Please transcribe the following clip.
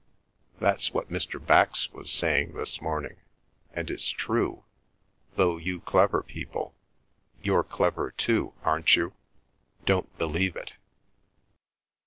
That's what Mr. Bax was saying this morning, and it's true, though you clever people—you're clever too, aren't you?—don't believe it."